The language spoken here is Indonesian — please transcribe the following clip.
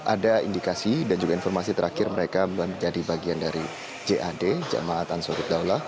ada indikasi dan juga informasi terakhir mereka menjadi bagian dari jad jamaat ansorid daulah